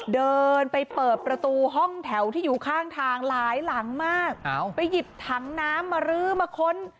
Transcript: เดินไปเปิดประตูห้องแถวที่อยู่ข้างทางหลายหลังมากไปหยิบถังน้ำมารื้อมาค้น